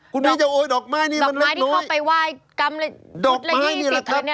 คุณมิ้นเจ้าโอ้ยดอกไม้นี่มันเล็กน้อยดอกไม้ที่เข้าไปไหว้กำลัยดอกไม้นี่แหละครับ